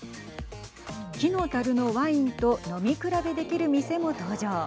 木のたるのワインと飲み比べできる店も登場。